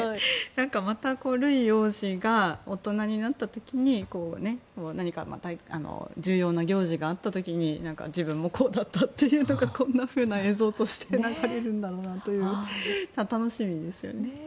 またルイ王子が大人になった時に何か、重要な行事があった時に自分もこうだったというふうな映像として流れるんだろうなという楽しみですよね。